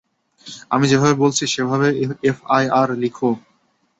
আমি যেভাবে বলছি সেভাবে এফআইআর লিখ।